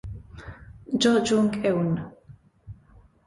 Jo Jung-eun